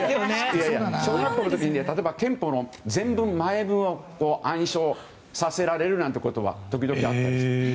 小学校の時に例えば憲法の前文を暗唱させられるということは時々ありました。